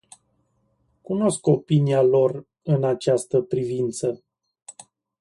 Cunosc opinia lor în această privință.